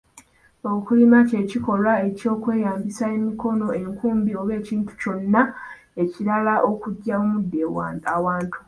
Okulima kye kikolwa eky’okweyambisa emikono, enkumbi oba ekintu kyonna ekirala okuggya omuddo awantu.